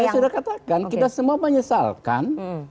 saya sudah katakan kita semua menyesalkan